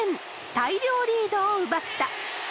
大量リードを奪った。